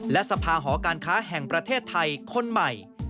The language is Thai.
และสภาหอการค้าแห่งประเทศไทยคนใหม่